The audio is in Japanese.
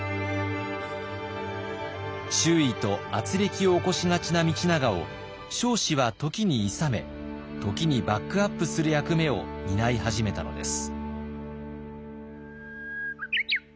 周囲とあつれきを起こしがちな道長を彰子は時にいさめ時にバックアップする役目を担い始めたのです。